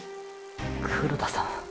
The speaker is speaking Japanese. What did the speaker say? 黒田さん！！